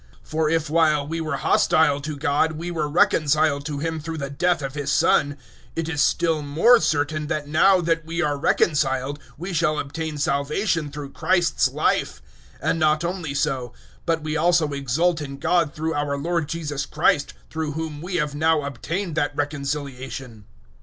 005:010 For if while we were hostile to God we were reconciled to Him through the death of His Son, it is still more certain that now that we are reconciled, we shall obtain salvation through Christ's life. 005:011 And not only so, but we also exult in God through our Lord Jesus Christ, through whom we have now obtained that reconciliation.